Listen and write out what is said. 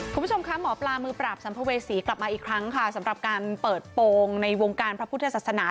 คุณผู้ชมคะหมอปลามือปราบสัมภเวษีกลับมาอีกครั้งค่ะสำหรับการเปิดโปรงในวงการพระพุทธศาสนา